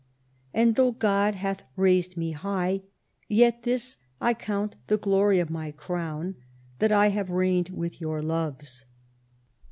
And though God hath raised me high, yet this I count the glory of my Crown, that I have reigned with your loves.